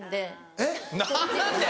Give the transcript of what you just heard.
えっ？何で？